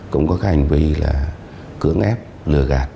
cũng có cái hành vi là cưỡng ép lừa gạt